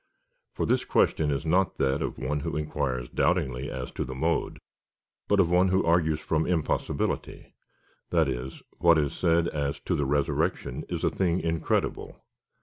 For this question is not that of one who inquires doubtingly as to the mode, but of one who argues from impossibility — that is, what is said as to the resurrection is a thing incredible.